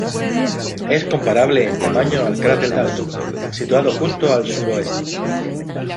Es comparable en tamaño al cráter Dalton, situado justo al suroeste.